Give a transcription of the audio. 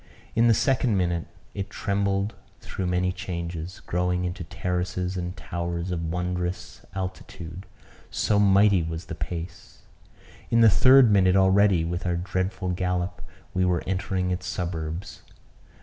In the second minute it trembled through many changes, growing into terraces and towers of wondrous altitude, so mighty was the pace. In the third minute already, with our dreadful gallop, we were entering its suburbs.